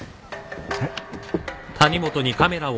えっ？